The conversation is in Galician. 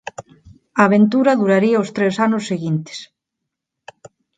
A aventura duraría os tres anos seguintes.